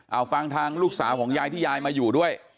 เอาฟังทางลูกสาวของยายที่ยายมาอยู่ด้วย